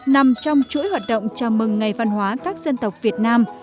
nằm trong chuỗi hoạt động chào mừng ngày văn hóa các dân tộc việt nam